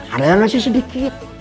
ada yang ngasih sedikit